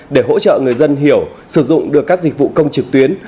để hỗ trợ người dân hiểu sử dụng được các dịch vụ công trực tuyến